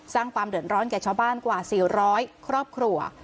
สร้างความเดือดร้อนแก่ชาวบ้านกว่า๔๐๐ครอบครัว